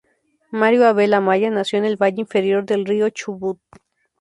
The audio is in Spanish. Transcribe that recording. Mario Abel Amaya nació en el Valle Inferior del Río Chubut.